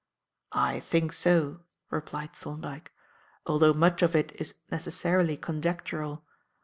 "I think so," replied Thorndyke, "although much of it is necessarily conjectural.